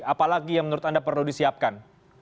apalagi yang menurut anda perlu disiapkan